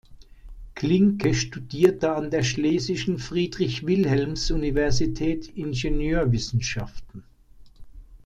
Klinke studierte an der Schlesischen Friedrich-Wilhelms-Universität Ingenieurwissenschaften.